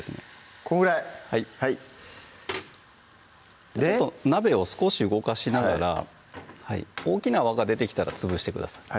こんぐらいはいで鍋を少し動かしながら大きな泡が出てきたら潰してください